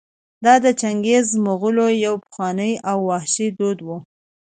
دا د چنګېزي مغولو یو پخوانی او وحشي دود و.